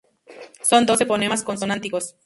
Son doce fonemas consonánticos.